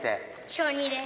小２です。